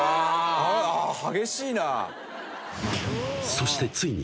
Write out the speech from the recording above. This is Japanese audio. ［そしてついに］